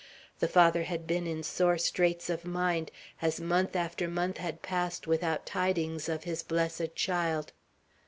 The Father had been in sore straits of mind, as month after month had passed without tidings of his "blessed child."